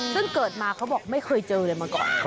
ซึ่งเกิดมาเขาบอกไม่เคยเจอเลยมาก่อน